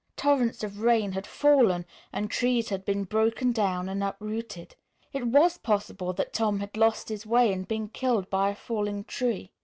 Torrents of rain had fallen and trees had been broken down and uprooted. It was possible that Tom had lost his way and been killed by a falling tree.